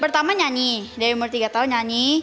pertama nyanyi dari umur tiga tahun nyanyi